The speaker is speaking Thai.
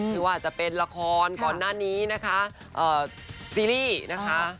คือว่าจะเป็นละครก่อนหน้านี้นะคะซีรีส์นะคะ